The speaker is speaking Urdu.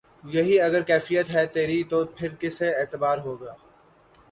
یہی اگر کیفیت ہے تیری تو پھر کسے اعتبار ہوگا